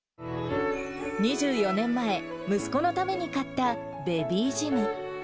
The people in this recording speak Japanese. ２４年前、息子のために買ったベビージム。